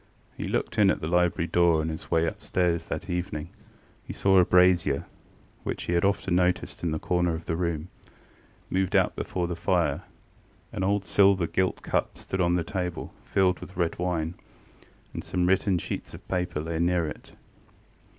He looked in at the library door on his way upstairs that evening, and saw a brazier, which he had often noticed in the corner of the room, moved out before the fire; an old silver gilt cup stood on the table, filled with red wine, and some written sheets of paper lay near it.